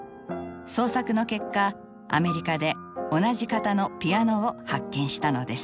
捜索の結果アメリカで同じ型のピアノを発見したのです。